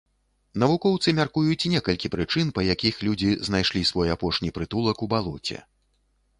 Навукоўцы мяркуюць некалькі прычын, па якіх людзі знайшлі свой апошні прытулак у балоце.